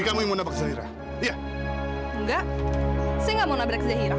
itu kan zahira